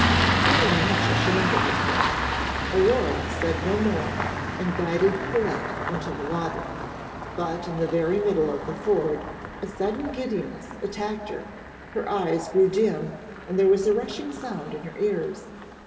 Feeling much ashamed of herself, Aurore said no more and guided Colette into the water. But in the very middle of the ford a sudden giddiness attacked her: her eyes grew dim, and there was a rushing sound in her ears.